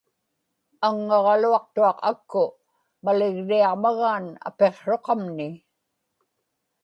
aŋŋaġaluaqtuaq akku maligniaġmagaan apiqsruqamni